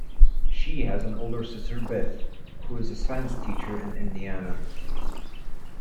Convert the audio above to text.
She has an older sister Beth, who is a science teacher in Indiana.